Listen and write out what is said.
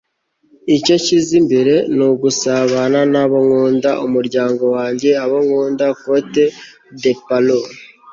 icyo nshyize imbere ni ugusabana n'abo nkunda - umuryango wanjye, abo nkunda. - cote de pablo